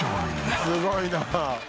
すごいな。